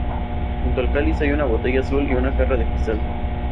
Junto al cáliz, hay una botella azul y una jarra de cristal.